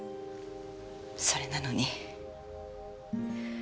それなのに。